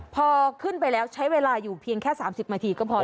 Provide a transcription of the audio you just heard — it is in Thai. พอขึ้นไปแล้วใช้เวลาอยู่เพียงแค่๓๐นาทีก็พอ